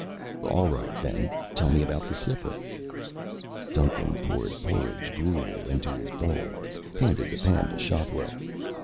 "All right, then. Tell me about the Cytha." Duncan poured porridge gruel into his bowl, handed the pan to Shotwell.